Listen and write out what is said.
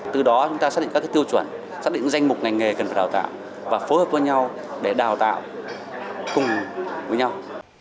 từ đó chúng ta xác định các tiêu chuẩn xác định danh mục ngành nghề cần phải đào tạo và phối hợp với nhau để đào tạo cùng với nhau